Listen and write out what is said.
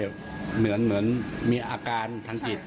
คิดว่าลูกเราเหมือนมีอาการทางจิตใช่ค่ะ